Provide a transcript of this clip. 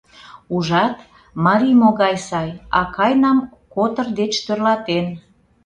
Ужат, марий могай сай: акайнам котыр деч тӧрлатен.